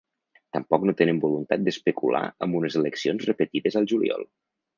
Tampoc no tenen voluntat d’especular amb unes eleccions repetides al juliol.